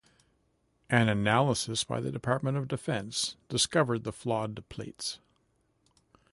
An analysis by the Department of Defense discovered the flawed plates.